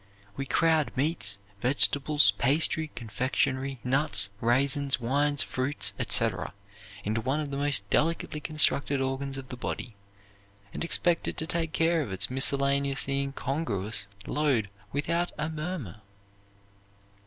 We crowd meats, vegetables, pastry, confectionery, nuts, raisins, wines, fruits, etc., into one of the most delicately constructed organs of the body, and expect it to take care of its miscellaneous and incongruous load without a murmur.